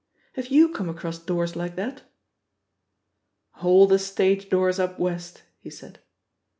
Have yow come across doors like that?'^ "All the stage doors up West!" he said.